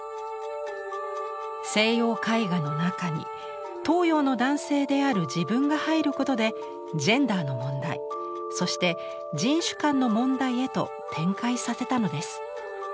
西洋絵画の中に東洋の男性である自分が入ることでジェンダーの問題そして人種間への問題へと展開させたのです。